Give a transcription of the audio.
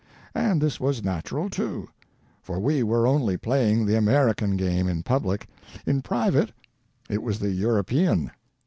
And this was natural, too; for we were only playing the American Game in public — in private it was the European.